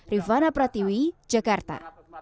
rivana pratiwi jakarta